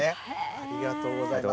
ありがとうございます。